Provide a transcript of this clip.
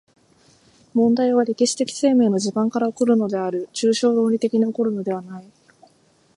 問題は歴史的生命の地盤から起こるのである、抽象論理的に起こるのではない。